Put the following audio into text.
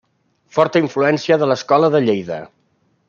Forta influència de l'escola de Lleida.